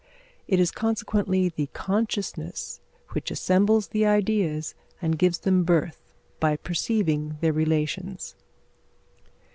It is consequently the consciousness which assembles the ideas and gives them birth by perceiving their relations.